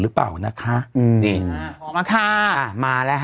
หรือเปล่านะคะอืมนี่ออกมาค่ะอ่ามาแล้วค่ะ